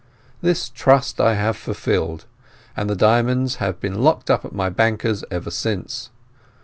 This trust I have fulfilled, and the diamonds have been locked up at my banker's ever since.